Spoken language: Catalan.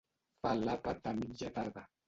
Fa l'àpat a mitja tarda.